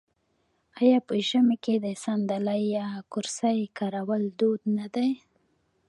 آیا په ژمي کې د ساندلۍ یا کرسۍ کارول دود نه دی؟